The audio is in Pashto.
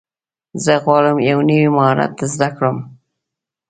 زه غواړم یو نوی مهارت زده کړم.